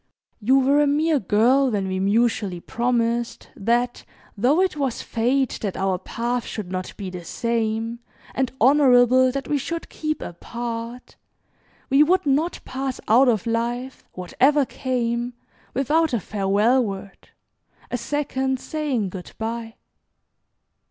You were a mere girl when we mutually promised, that though it was Fate that our paths should not be the same, and honorable that we should keep apart, we would not pass out of life, whatever came, without a farewell word, a second saying 'good bye.'"